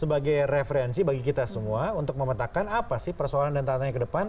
ini adalah frekuensi bagi kita semua untuk memetakkan apa sih persoalan dan tatanya ke depan